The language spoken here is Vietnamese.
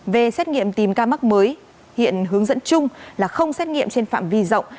về xét nghiệm tìm ca mắc mới hiện hướng dẫn chung là không xét nghiệm trên phạm vi rộng